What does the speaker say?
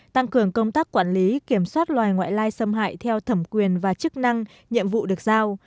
tăng cường công tác quản lý kiểm soát loài ngoại lai xâm hại theo thẩm quyền và chức năng nhiệm vụ được giao